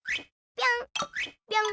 ぴょん！